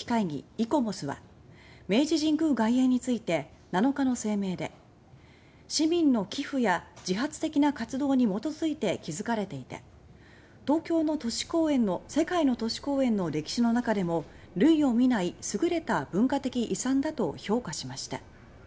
・イコモスは明治神宮外苑について７日の声明で「市民の寄付や自発的な活動に基づいて築かれていて世界の都市公園の歴史の中でも類を見ない優れた文化的遺産だ」と評価しました。